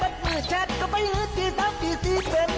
บัดมือแชดก็ไปหืดที่เต้าที่ที่เป็น